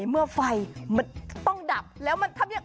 เมื่อไฟมันต้องดับแล้วมันทำยังไง